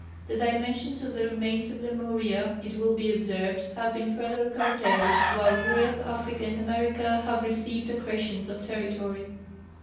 The dimensions of the remains of Lemuria it will be observed, have been further curtailed, while Europe, Africa and America have received accretions of territory.